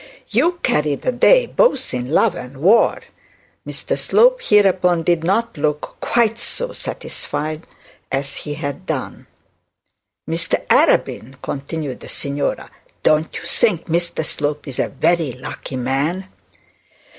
'You carry the day both in love and war.' Mr Slope hereupon did not look quite so satisfied as he had done. 'Mr Arabin,' continued the signora, 'don't you think Mr Slope is a very lucky man?'